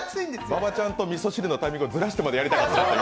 馬場ちゃんとみそ汁のタイミングをずらしてまでやりたかった。